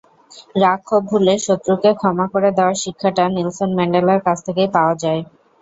রাগ-ক্ষোভ ভুলে শত্রুকে ক্ষমা করে দেওয়ার শিক্ষাটা নেলসন ম্যান্ডেলার কাছ থেকেই পাওয়া যায়।